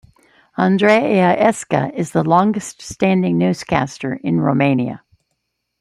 Andreea Esca is the longest-standing newscaster in Romania.